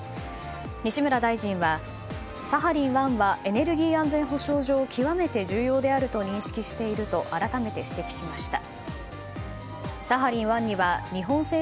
西村大臣はサハリン１はエネルギー安全保障上極めて重要であると認識していると改めて指摘しました。